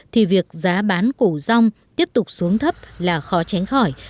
thì việc giá bán cổ rong tiếp tục xuống thấp là khó tránh khỏi